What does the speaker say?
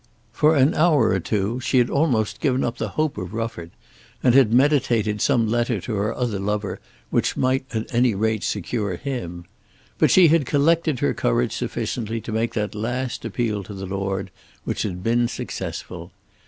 For an hour or two she had almost given up the hope of Rufford and had meditated some letter to her other lover which might at any rate secure him. But she had collected her courage sufficiently to make that last appeal to the lord, which had been successful.